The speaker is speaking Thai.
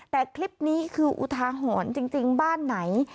แต่คลิปนี้คืออุทาหรณ์จริงบ้านไหน